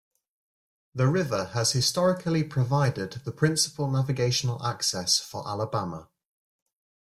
The river has historically provided the principal navigational access for Alabama.